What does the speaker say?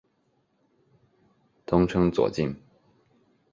通称左近。